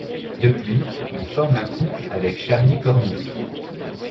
Depuis, il forme un couple avec Charlie Cormier.